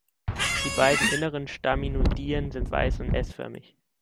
Die beiden inneren Staminodien sind weiß und s-förmig.